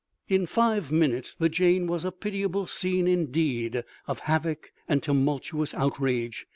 In five minutes the Jane was a pitiable scene indeed of havoc and tumultuous outrage.